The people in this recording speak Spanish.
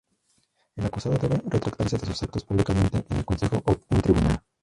El acusado debe retractarse de sus actos públicamente en el consejo o un tribunal.